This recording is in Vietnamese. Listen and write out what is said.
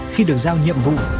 khi được giao nhiệm vụ